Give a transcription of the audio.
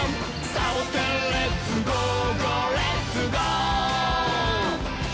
「サボテンレッツゴー！ゴーレッツゴー！」